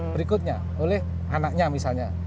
berikutnya oleh anaknya misalnya